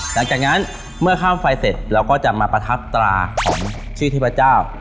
หลังจากนั้นเมื่อข้ามไฟเสร็จเราก็จะมาประทับตราของชื่อเทพเจ้า